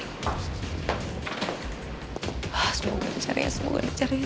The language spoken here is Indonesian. semoga ada caranya semoga ada caranya semoga ada caranya